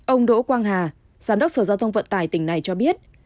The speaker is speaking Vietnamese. ông đỗ quang hà giám đốc sở giao thông vận tải tỉnh này cho biết